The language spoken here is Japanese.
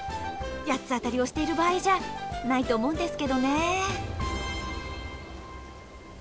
八つ当たりをしている場合じゃないと思うんですけどね。